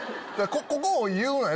ここを言うなよ